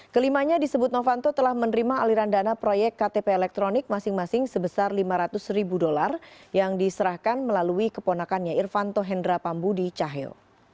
kelimanya disebut novanto telah menerima aliran dana proyek ktp elektronik masing masing sebesar lima ratus ribu dolar yang diserahkan melalui keponakannya irvanto hendra pambudi cahyo